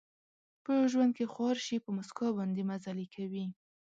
په ژوند کې خوار شي، په مسکا باندې مزلې کوي